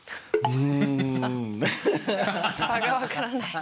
さぁ差が分からない。